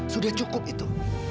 sudah cukup itu